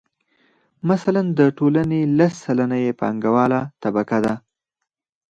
مثلاً د ټولنې لس سلنه یې پانګواله طبقه ده